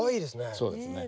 そうですね。